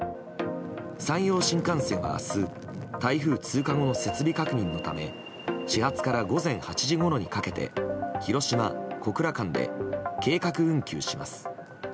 山陽新幹線は明日台風通過後の設備確認のため始発から午前８時ごろにかけて広島小倉間で計画運休します。